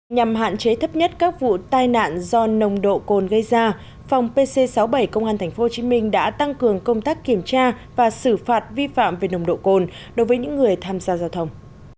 nhằm hạn chế thấp nhất các vụ tai nạn do nồng độ cồn gây ra phòng pc sáu mươi bảy công an tp hcm đã tăng cường công tác kiểm tra và xử phạt vi phạm về nồng độ cồn đối với những người tham gia giao thông